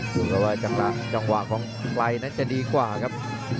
เย็นดูว่าจังหวะของใครนั้นจะดีกว่าครับ